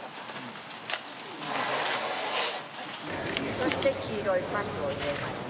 そして黄色いパスを入れました。